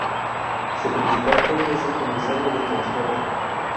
Su principal jefe es el "Comisionado de Transporte".